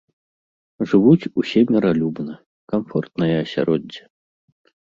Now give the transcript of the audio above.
Жывуць усе міралюбна, камфортнае асяроддзе.